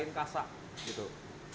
yang kedua dengan saringan yang agak kasar